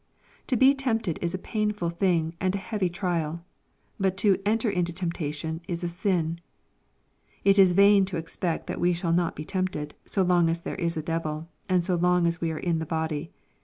To be tempted is a painful thing, and a heavy trial ; but to " enter into temptation" is a sin. it is vain to expect that we shall not be tempted, so long as there is a devil, and so long as we ai e in the body.